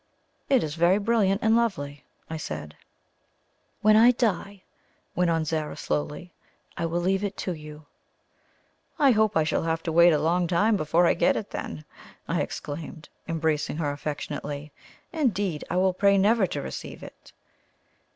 "It is very brilliant and lovely," I said. "When I die," went on Zara slowly, "I will leave it to you." "I hope I shall have to wait a long time before I get it, then," I exclaimed, embracing her affectionately. "Indeed, I will pray never to receive it."